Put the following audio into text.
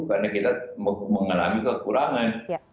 karena kita mengalami kekurangan